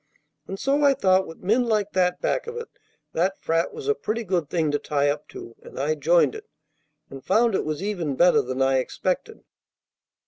And so I thought with men like that back of it that frat was a pretty good thing to tie up to, and I joined it, and found it was even better than I expected.